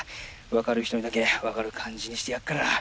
分かる人にだけ分かる感じにしてやっから！